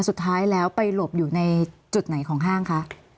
สุดท้ายแล้วไปหลบอยู่ในจุดไหนของห้างคะ